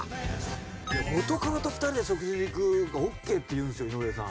元カノと２人で食事に行くがオッケーって言うんですよ井上さん。